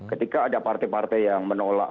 ketika ada partai partai yang menolak